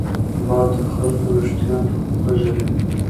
باد د خلکو وېښتان خوځوي